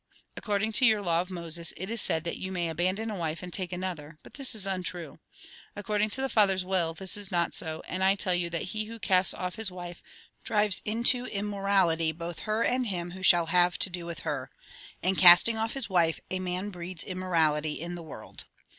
According to your law of Moses, it is said that you may abandon a wife and take another ; but this is untrue. According to the Father's will, this is not so, and I tell you that he who casts off his wife drives into immorality both her and him who shall have to do with her. And casting off his wife, a man breeds immorality in the world."